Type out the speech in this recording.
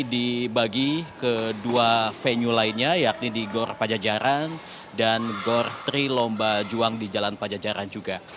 dibagi ke dua venue lainnya yakni di gor pajajaran dan gor tri lomba juang di jalan pajajaran juga